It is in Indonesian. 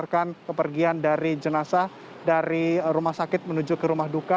akan kepergian dari jenazah dari rumah sakit menuju ke rumah duka